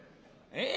ええ